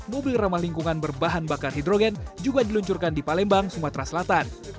mobil ramah lingkungan berbahan bakar hidrogen juga diluncurkan di palembang sumatera selatan